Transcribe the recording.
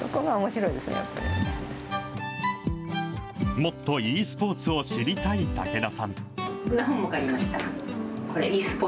もっとｅスポーツを知りたい竹田さん。